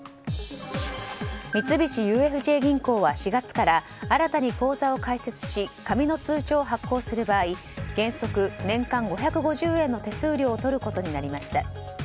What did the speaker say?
三菱ＵＦＪ銀行は４月から、新たに口座を開設し紙の通帳を発行する場合原則年間５５０円の手数料を取ることになりました。